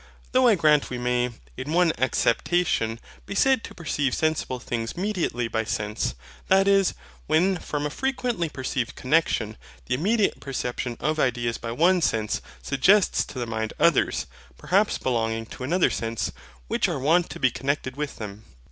Though I grant we may, in one acceptation, be said to perceive sensible things mediately by sense: that is, when, from a frequently perceived connexion, the immediate perception of ideas by one sense SUGGESTS to the mind others, perhaps belonging to another sense, which are wont to be connected with them.